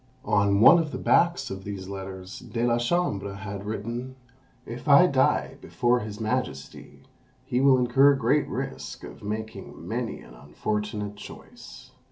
On one of the backs of these letters De la Chambre had written, "If I die before his majesty, he will incur great risk of making many an unfortunate choice!"